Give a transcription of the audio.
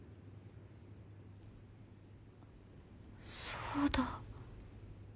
そうだ。